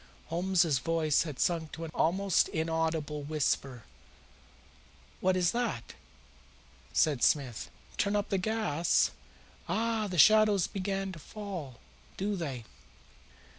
Holmes's voice had sunk to an almost inaudible whisper. "What is that?" said Smith. "Turn up the gas? Ah, the shadows begin to fall, do they?